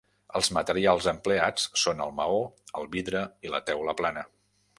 Els materials empleats són el maó, el vidre i la teula plana.